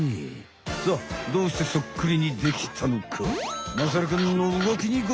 さっどうしてそっくりにできたのか。